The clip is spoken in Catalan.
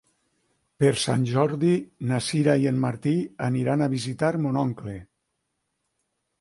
Per Sant Jordi na Sira i en Martí aniran a visitar mon oncle.